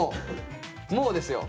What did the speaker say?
もうですよ。